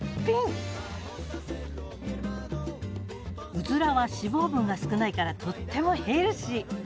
ウズラは脂肪分が少ないからとってもヘルシー！